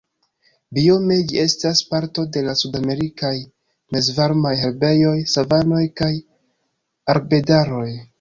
Biome ĝi estas parto de la sudamerikaj mezvarmaj herbejoj, savanoj kaj arbedaroj.